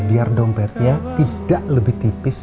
biar dompetnya tidak lebih tipis